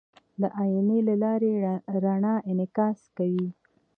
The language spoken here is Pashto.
د آیینې له لارې رڼا انعکاس کوي.